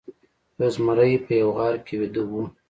یو زمری په یوه غار کې ویده و.